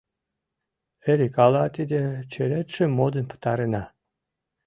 — Эрик, ала тиде черетшым модын пытарена?